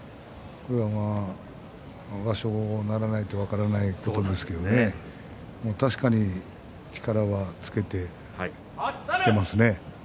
場所後にならないと分からないことなんですけれども確かに力はつけてきていますね。